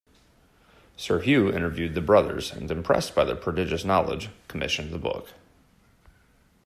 Sir Hugh interviewed the brothers and, impressed by their prodigious knowledge, commissioned the book.